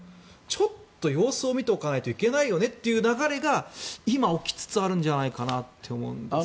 ちょっと様子を見ておかないといけないよねという流れが今、起きつつあるんじゃないかと思うんですが。